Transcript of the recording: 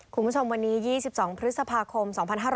คุณผู้ชมวันนี้๒๒พฤษภาคม๒๕๕๙